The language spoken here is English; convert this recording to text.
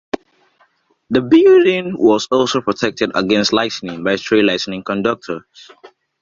The building was also protected against lightning by three lightning conductors.